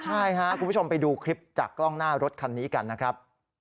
ใช่ครับคุณผู้ชมไปดูคลิปจากกล้องหน้ารถคันนี้กันนะครับ